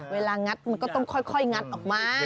งัดมันก็ต้องค่อยงัดออกมา